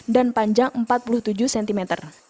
dan panjang empat lima kg